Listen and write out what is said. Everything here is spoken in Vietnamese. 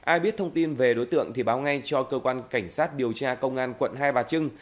ai biết thông tin về đối tượng thì báo ngay cho cơ quan cảnh sát điều tra công an quận hai bà trưng